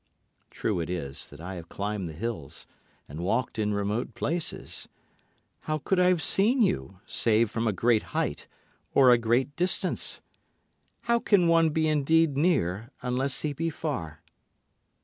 True it is that I have climbed the hills and walked in remote places. How could I have seen you save from a great height or a great distance? How can one be indeed near unless he be far?